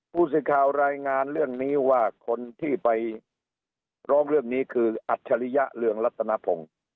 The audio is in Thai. ผู้สื่อข่าวรายงานเรื่องนี้ว่าคนที่ไปร้องเรื่องนี้คืออัจฉริยะเรืองรัตนพงศ์